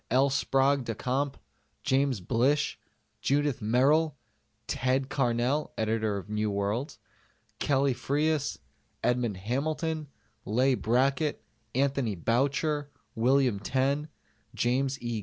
L. Sprague de Camp, James Blish, Judith Merril, "Ted" Carnell (Editor of New Worlds), Kelly Freas, Edmond Hamilton, Leigh Brackett, Anthony Boucher, William Tenn, James E.